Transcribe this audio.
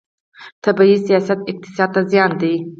طبي سیاحت اقتصاد ته زیان دی.